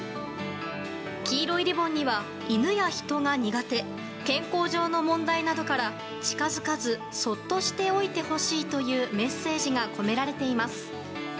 黄色いリボンには、犬や人が苦手健康上の問題などから近づかずそっとしておいてほしいというメッセージが込められています。